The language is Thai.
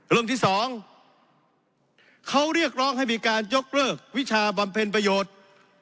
เรื่องที่สองเขาเรียกร้องให้มีการยกเลิกวิชาบำเพ็ญประโยชน์